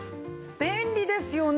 便利ですよね！